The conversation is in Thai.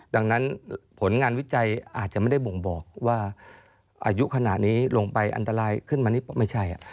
ดังนั้นผลงานวิจัยอาจจะไม่ได้บ่งบอกว่าอายุขนาดนี้ลงไปอันตรายขึ้นมานี่ไม่ใช่